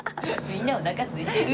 みんなおなかすいてる！